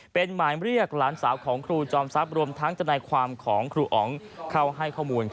เป็นหมายเรียกหลานสาวของครูจอมทรัพย์รวมทั้งทนายความของครูอ๋องเข้าให้ข้อมูล